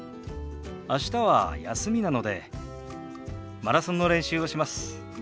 明日は休みなのでマラソンの練習をします。